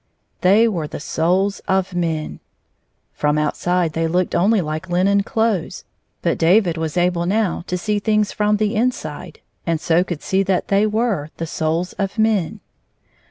They were the souls of men. From the outside they looked only like linen clothes, hut David was ahle now to see things from the inside, and so could see that they were the souls of men.